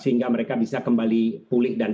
sehingga mereka bisa kembali pulih dan